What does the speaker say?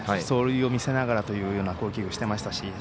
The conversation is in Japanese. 走塁を見せながらという攻撃をしてましたし。